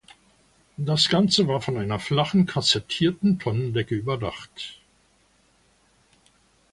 Das ganze war von einer flachen kassettierten Tonnendecke überdacht.